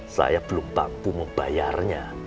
saya belum mampu membayarnya